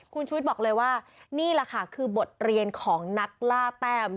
คุณชุวิตบอกเลยว่านี่แหละค่ะคือบทเรียนของนักล่าแต้ม